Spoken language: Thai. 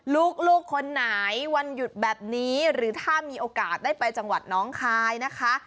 ลูกคนไหนวันหยุดแบบนี้หรือถ้ามีโอกาสได้ไปจังหวัดน้องคายนะคะ